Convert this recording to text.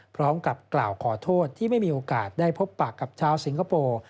พร้อมกับกล่าวขอโทษที่ไม่มีโอกาสได้พบปากกับชาวสิงคโปร์